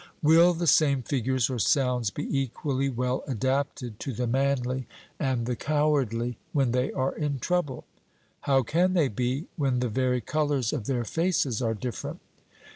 Will the same figures or sounds be equally well adapted to the manly and the cowardly when they are in trouble? 'How can they be, when the very colours of their faces are different?'